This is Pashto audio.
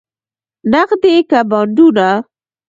نغدې که بانډونه؟